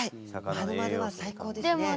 まるまるは最高ですね。